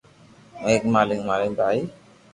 ھي مالڪ ماري جن پھاتي